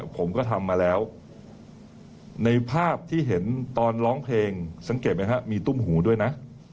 ผมก็ทำมาแล้วในภาพที่เห็นตอนร้องเพลงสังเกตไหมฮะมีตุ้มหูด้วยนะ